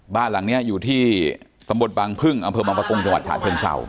บ้านหลังนี้อยู่ที่ตำบลบังพึ่งอำเภอบางประกงจังหวัดฉะเชิงเศร้า